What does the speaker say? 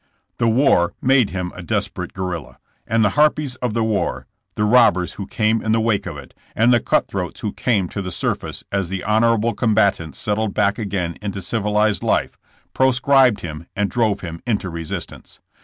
The war made him a desperate guerrilla, and the harpies of the war — the robbers who came in the wake of it, and the cut throats who came to the sur face as the honorable combatants settled back again into civilized life — proscribed him and drove him into resistance.